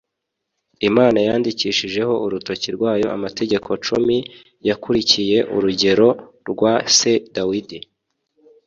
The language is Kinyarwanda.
imana yandikishijeho urutoki rwayo amategeko cumi, yakurikiye urugero rwa se dawidi.